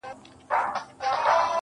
دا ده کوچي ځوانيمرگې نجلۍ تول دی,